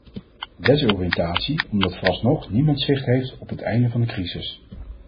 Desoriëntatie omdat vooralsnog niemand zicht heeft op het einde van de crisis.